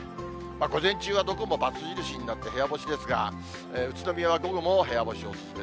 午前中はどこもばつ印になって、部屋干しですが、宇都宮は午後も部屋干しお勧め。